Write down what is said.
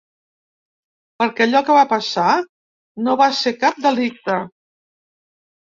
Perquè allò que va passar no va ser cap delicte.